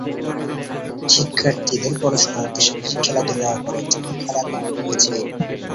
শিক্ষার্থীদের পড়াশোনার পাশাপাশি খেলাধুলা করার জন্য খেলার মাঠ রয়েছে।